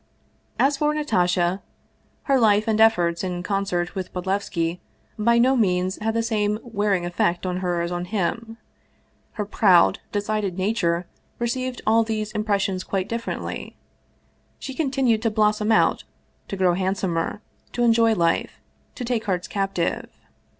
206 Vsevolod Vladimir ovitch Krcstovski As for Natasha, her life and efforts in concert with Bod levski by no means had the same wearing effect on her as on him. Her proud, decided nature received all these im pressions quite differently. She continued to blossom out, to grow handsomer, to enjoy life, to take hearts captive.